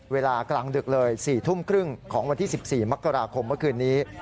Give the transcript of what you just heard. เวลากลางดึกเลย๔ทุ่มครึ่งของวันที่๑๔มกราคมเมื่อคืนนี้